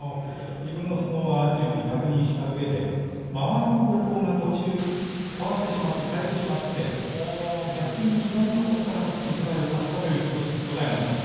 自分の相撲は十分に確認したうえで回る方向が途中、変わってしまって、変えてしまって逆に左のほうからいけばよかったという答えでした。